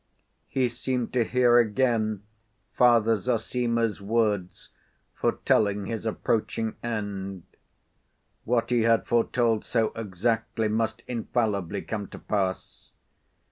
He seemed to hear again Father Zossima's words, foretelling his approaching end. What he had foretold so exactly must infallibly come to pass.